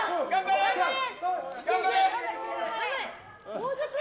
もうちょっと！